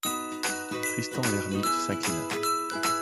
Tristan l’Hermite s’inclina.